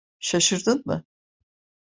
Şaşırdın mı?